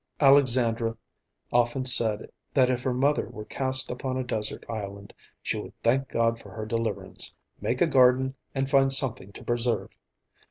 Alexandra often said that if her mother were cast upon a desert island, she would thank God for her deliverance, make a garden, and find something to preserve.